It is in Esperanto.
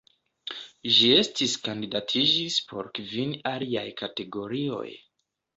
Ĝi estis kandidatiĝis por kvin aliaj kategorioj.